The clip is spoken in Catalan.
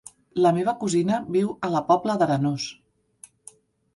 La meva cosina viu a la Pobla d'Arenós.